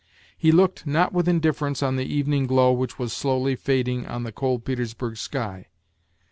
He looked not with indifference on the evening glow which was slowly fading on the cold Petersburg sky.